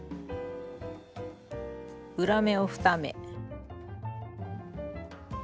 裏目を２目。